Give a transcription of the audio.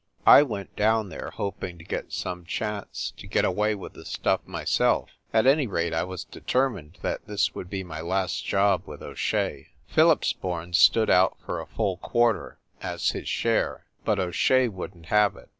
I went down there, hoping to get some chance to get away with the stuff myself; at any rate, I was determined that this would be my last job with O Shea. Phillipsborn stood out for a full quarter, as his share, but O Shea wouldn t have it.